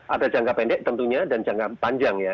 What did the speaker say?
ada jangka pendek tentunya dan jangka panjang ya